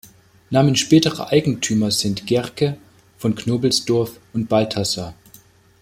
Namen späterer Eigentümer sind Gehrke, von Knobelsdorf und Balthasar.